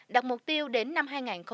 đặt mục tiêu đến năm hai nghìn hai mươi